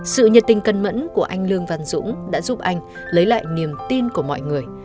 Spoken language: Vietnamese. sự nhiệt tình cân mẫn của anh lương văn dũng đã giúp anh lấy lại niềm tin của mọi người